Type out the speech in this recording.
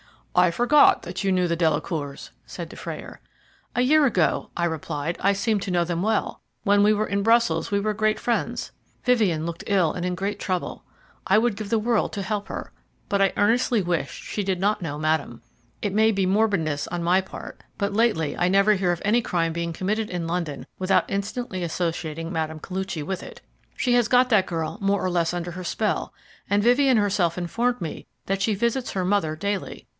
"I forgot that you knew the Delacours," said Dufrayer. "A year ago," I replied, "I seemed to know them well. When we were in Brussels we were great friends. Vivien looked ill and in great trouble I would give the world to help her; but I earnestly wish she did not know Madame. It may be morbidness on my part, but lately I never hear of any crime being committed in London without instantly associating Mme. Koluchy with it. She has got that girl more or less under her spell, and Vivien herself informed me that she visits her mother daily.